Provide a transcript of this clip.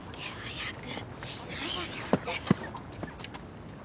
早く。